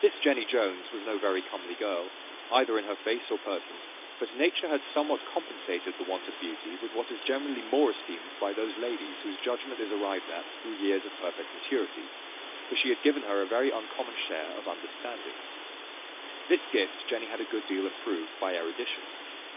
This Jenny Jones was no very comely girl, either in her face or person; but nature had somewhat compensated the want of beauty with what is generally more esteemed by those ladies whose judgment is arrived at years of perfect maturity, for she had given her a very uncommon share of understanding. This gift Jenny had a good deal improved by erudition.